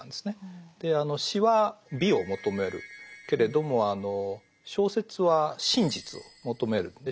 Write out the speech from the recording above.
で詩は美を求めるけれども小説は真実を求める。